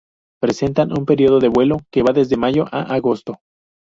Presentan un período de vuelo que va desde mayo a agosto.